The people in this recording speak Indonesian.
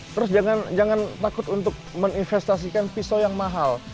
terus jangan takut untuk menginvestasikan pisau yang mahal